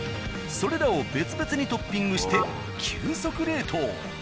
それらを別々にトッピングして急速冷凍。